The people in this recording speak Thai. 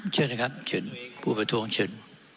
เชิญนะครับเชิญผู้ประท้วงเชิญ